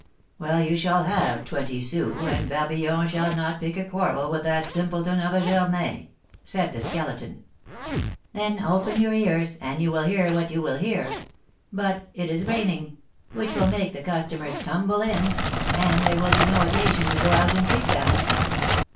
"Well, you shall have twenty sous, and Barbillon shall not pick a quarrel with that simpleton of a Germain," said the Skeleton. "Then open your ears, and you will hear what you will hear! But it is raining, which will make the customers tumble in, and there will be no occasion to go out and seek them."